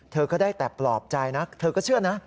เธอก็ได้แต่ปลอบใจนะเธอก็เชื่อนะ